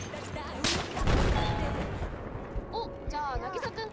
おっじゃあなぎさくん。